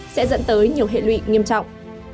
sẽ dẫn tới nhiều hệ lụy nghiêm trọng